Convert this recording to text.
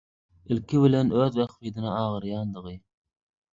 ilki bilen öz bähbidine agyrýandygy